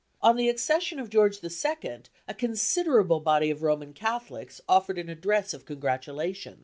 On the accession of George II., a considerable body of Roman Catholics offered an address of congratulation.